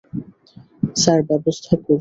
Sir, ব্যবস্থা করুন।